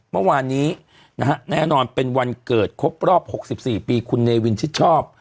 เมื่อวานนี้นะฮะแน่นอนเป็นวันเกิดครบรอบ๖๔ปีคุณเนวินชิดชอบ